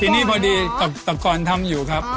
ทีนี้พอดีแต่ก่อนทำอยู่ครับ